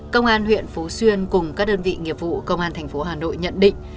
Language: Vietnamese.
công an huyện phú xuyên cùng các đơn vị nghiệp vụ công an thành phố hà nội nhận định